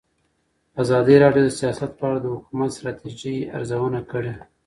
ازادي راډیو د سیاست په اړه د حکومتي ستراتیژۍ ارزونه کړې.